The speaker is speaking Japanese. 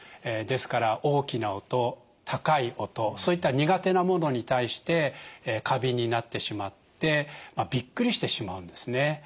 ですから大きな音高い音そういった苦手なものに対して過敏になってしまってびっくりしてしまうんですね。